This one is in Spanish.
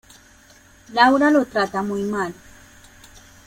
Laura lo trata muy mal.